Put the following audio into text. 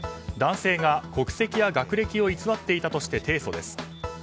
男性が、国籍や学歴を偽っていたとして提訴です。